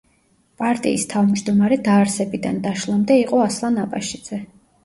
პარტიის თავმჯდომარე დაარსებიდან დაშლამდე იყო ასლან აბაშიძე.